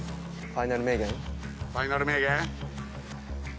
ファイナル名言。